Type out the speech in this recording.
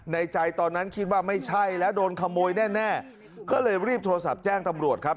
ในใจตอนนั้นคิดว่าไม่ใช่แล้วโดนขโมยแน่ก็เลยรีบโทรศัพท์แจ้งตำรวจครับ